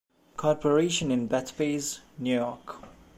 Corporation in Bethpage, New York.